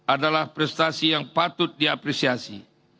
adalah prestasi yang patut diapresiasi